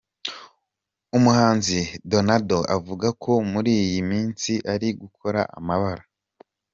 Umuhanzi Donado avuga ko muri iyi minsi ari gukora 'amabara'.